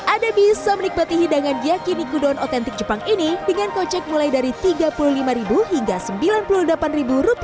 anda bisa menikmati hidangan yakini gudon otentik jepang ini dengan kocek mulai dari rp tiga puluh lima hingga rp sembilan puluh delapan